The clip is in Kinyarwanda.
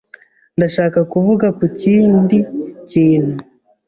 Ndashaka kuvuga ku kindi kintu.